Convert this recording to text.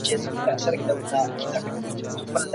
ایا استاد د شاګرد هڅونه کوي؟